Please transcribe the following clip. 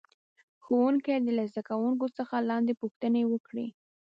ښوونکی دې له زده کوونکو څخه لاندې پوښتنې وکړي.